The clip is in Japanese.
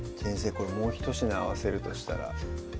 これもうひと品合わせるとしたら？